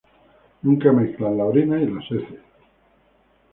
Nunca mezclan la orina y las heces.